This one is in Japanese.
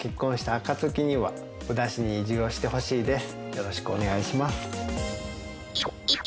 よろしくお願いします。